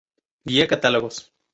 Guía catálogos.